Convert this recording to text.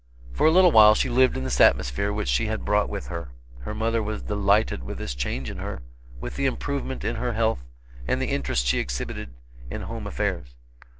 For a little while she lived in this atmosphere which she had brought with her. Her mother was delighted with this change in her, with the improvement in her health and the interest she exhibited in home affairs.